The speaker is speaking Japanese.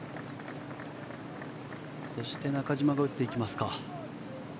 そして、中島が打っていきます。